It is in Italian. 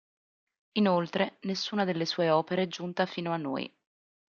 Inoltre, nessuna delle sue opere è giunta fino a noi.